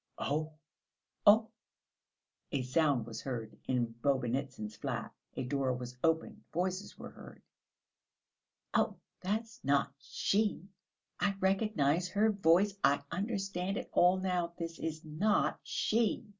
"Oh!" "Oh!" A sound was heard in Bobynitsyn's flat. A door was opened, voices were heard. "Oh, that's not she! I recognise her voice; I understand it all now, this is not she!"